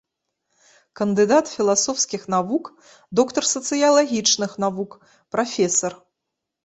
Кандыдат філасофскіх навук, доктар сацыялагічных навук, прафесар.